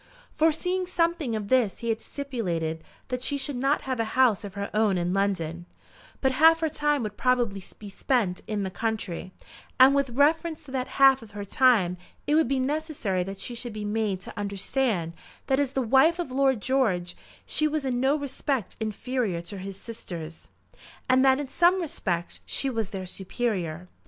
Foreseeing something of this he had stipulated that she should have a house of her own in London; but half her time would probably be spent in the country, and with reference to that half of her time it would be necessary that she should be made to understand that as the wife of Lord George she was in no respect inferior to his sisters, and that in some respects she was their superior.